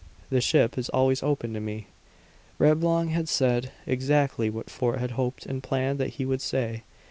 The ship is always open to me." Reblong had said exactly what Fort had hoped and planned that he would say.